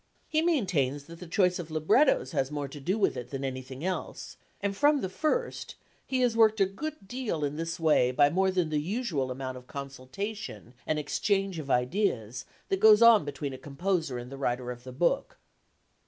He maintains that the choice of librettos has more to do with it than anything else, and from the first he has worked a good deal in this way by more than the usual amount of consultation and exchange of ideas that goes on between a composer and the writer of the book.